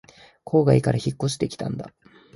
郊外から引っ越してきたんだ